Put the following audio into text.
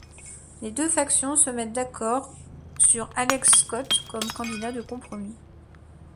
Les deux factions se mettent d'accord sur Alex Scott comme candidat de compromis.